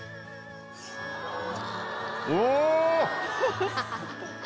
お！